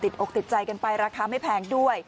อกติดใจกันไปราคาไม่แพงด้วย